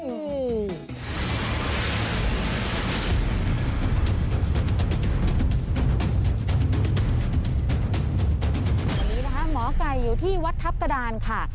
วันนี้นะคะหมอไก่อยู่ที่วัดทัพกระดานค่ะ